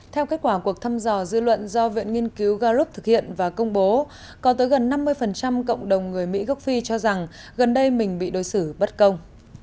theo kết quả cuộc thăm dò dư luận do viện nghiên cứu galub thực hiện và công bố có tới gần năm mươi cộng đồng người mỹ gốc phi cho rằng gần đây mình bị đối xử bất công